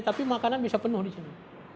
tapi makanan bisa penuh di sini